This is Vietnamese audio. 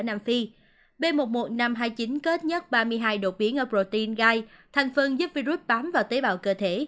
năm hai mươi chín kết nhất ba mươi hai đột biến ở protein gai thành phần giúp virus bám vào tế bào cơ thể